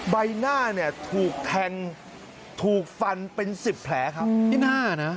ใบหน้าเนี่ยถูกแทงถูกฟันเป็นสิบแผลครับ